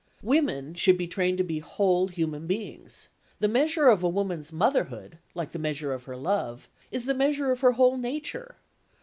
Women should be trained to be whole human beings; the measure of a woman's motherhood, like the measure of her love, is the measure of her whole nature.